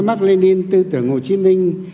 mạc lê ninh tư tưởng hồ chí minh